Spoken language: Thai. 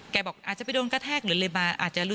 แกบอกอาจจะไปโดนกระแทกหรือเลยมา